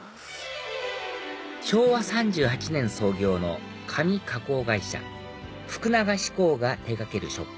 昭和３８年創業の紙加工会社福永紙工が手掛けるショップ